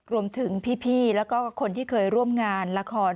รวมถึงพี่แล้วก็คนที่เคยร่วมงานละคร